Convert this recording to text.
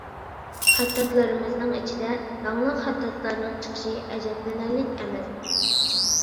خەتتاتلىرىمىزنىڭ ئىچىدە داڭلىق خەتتاتلارنىڭ چىقىشى ئەجەبلىنەرلىك ئەمەس.